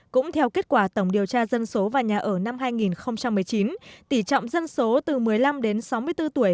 cũng theo kết quả tổng điều tra dân số và nhà ở năm hai nghìn một mươi chín tỷ trọng dân số từ một mươi năm đến sáu mươi bốn tuổi